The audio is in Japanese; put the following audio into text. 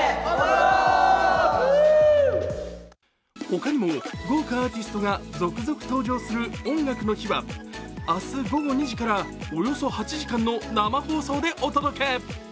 他にも豪華アーティストが続々登場する「音楽の日」は明日午後２時からおよそ８時間の生放送でお届け。